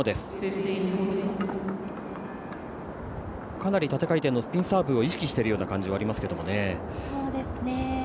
かなり縦回転のスピンサーブを意識しているような感じはありますが。